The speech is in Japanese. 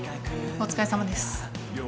お疲れさまです。